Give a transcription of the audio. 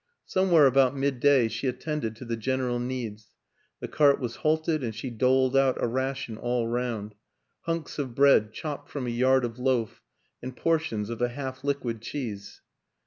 Somewhere about midday she attended to the general needs; the cart was halted and she doled out a ration all round hunks of bread chopped from a yard of loaf and portions of a half liquid cheese.